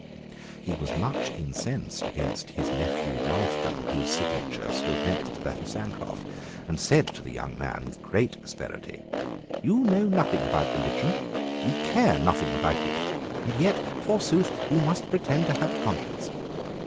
He was much incensed against his nephew Grafton, whose signature stood next to that of Sancroft, and said to the young man, with great asperity, "You know nothing about religion; you care nothing about it; and yet, forsooth, you must pretend to have a conscience."